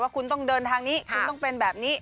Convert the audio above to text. คุณต้องเดินทางนี้คุณต้องเป็นแบบนี้